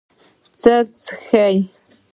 څه څښې؟